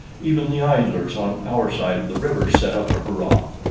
Even the idlers on our side of the river set up a hurrah.